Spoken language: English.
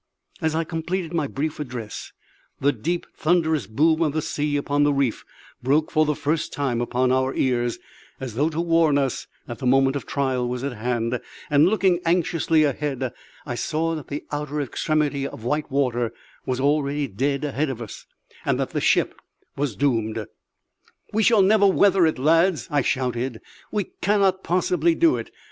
As I completed my brief address the deep, thunderous boom of the sea upon the reef broke for the first time upon our ears, as though to warn us that the moment of trial was at hand; and, looking anxiously ahead, I saw that the outer extremity of the white water was already dead ahead of us, and that the ship was doomed! "We shall never weather it, lads," I shouted; "we cannot possibly do it.